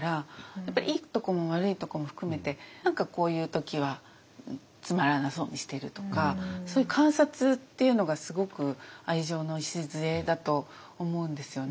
やっぱりいいとこも悪いとこも含めて何かこういう時はつまらなそうにしてるとかそういう観察っていうのがすごく愛情の礎だと思うんですよね。